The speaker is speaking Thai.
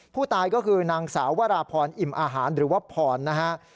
ผู้ตายก็คือนางสาววราพรอิ่มอาหารหรือว่าพรนะฮะ